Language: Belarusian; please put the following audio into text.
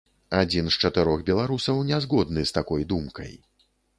Адзін з чатырох беларусаў нязгодны з такой думкай.